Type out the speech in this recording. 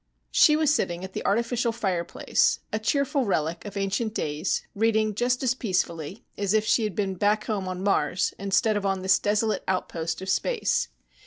She was sitting at the artificial fireplace, a cheerful relic of ancient days, reading just as peacefully as if she had been back home on Mars, instead of on this desolate outpost of space.